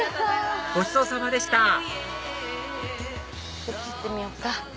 ごちそうさまでしたこっち行ってみようか。